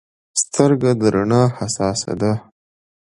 سترګه د رڼا حساسه ده.